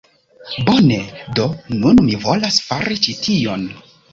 Bone, do, nun mi volas fari ĉi tion!